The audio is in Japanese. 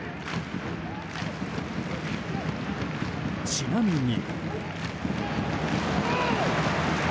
ちなみに。